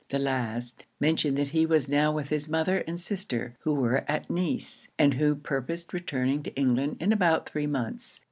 The last, mentioned that he was now with his mother and sister, who were at Nice, and who purposed returning to England in about three months.